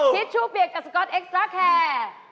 ทิชชู่เปียกกับสก๊อตเอ็กซตราแคร์